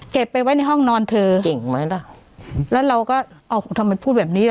ไปไว้ในห้องนอนเธอเก่งไหมล่ะแล้วเราก็เอาทำไมพูดแบบนี้ล่ะ